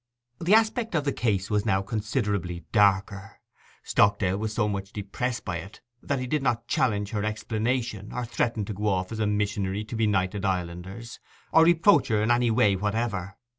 The aspect of the case was now considerably darker. Stockdale was so much depressed by it that he did not challenge her explanation, or threaten to go off as a missionary to benighted islanders, or reproach her in any way whatever.